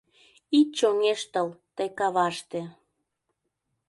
«Ит чоҥештыл тый каваште, –